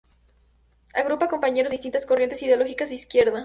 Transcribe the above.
Agrupa compañeros de distintas corrientes ideológicas de izquierda.